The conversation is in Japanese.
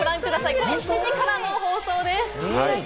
今夜７時からの放送です。